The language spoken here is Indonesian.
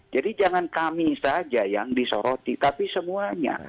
jadi jangan kami saja yang disoroti tapi semuanya